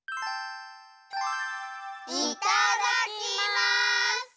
いただきます！